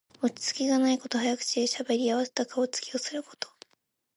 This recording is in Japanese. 落ち着きがないこと。早口でしゃべり、あわてた顔つきをすること。